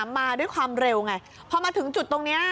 มาด้วยความเร็วไงพอมาถึงจุดตรงนี้